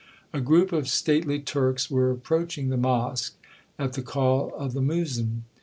'A group of stately Turks were approaching the mosque, at the call of the muezzin.